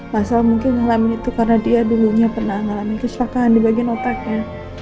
masalah mungkin ngalamin itu karena dia dulunya pernah ngalamin kesepakahan di bagian otaknya